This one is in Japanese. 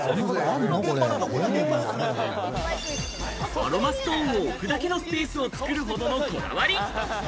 アロマストーンを置くだけのスペースを作るほどのこだわり。